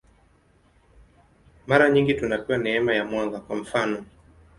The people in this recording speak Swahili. Mara nyingi tunapewa neema ya mwanga, kwa mfanof.